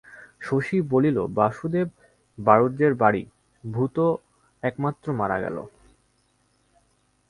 শশী বলিল, বাসুদেব বাড়ুজ্যের বাড়ি, ভূতো এইমাত্র মারা গেল।